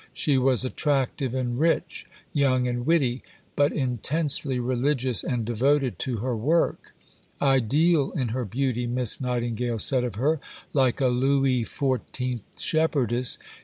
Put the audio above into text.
She was attractive and rich, young and witty, but intensely religious and devoted to her work. "Ideal in her beauty," Miss Nightingale said of her; "like a Louis XIV. shepherdess."